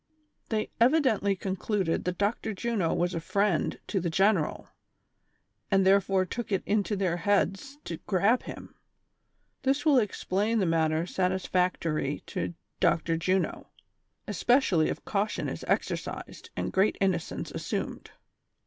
They evidently con cluded that Dr. Juno was a friend to the general, and therefore took it into their heads to grab him— this will explain the matter satisfactory to Dr. Juno, especially if caution is exercised and great innocence assumed.